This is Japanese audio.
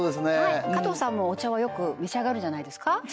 はい加藤さんもお茶はよく召し上がるんじゃないですか